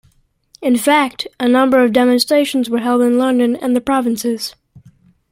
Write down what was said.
In fact, a number of demonstrations were held in London and the provinces.